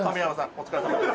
お疲れさまです